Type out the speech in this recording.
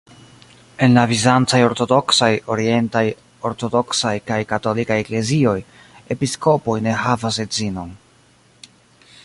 En la bizancaj ortodoksaj, orientaj ortodoksaj kaj katolika eklezioj, episkopoj ne havas edzinon.